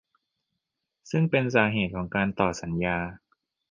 ซึ่งเป็นสาเหตุของการต่อสัญญา